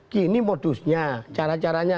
gini modusnya cara caranya